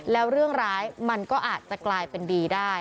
แล้วเรื่องร้ายมันก็อาจจะกลายเป็นดีได้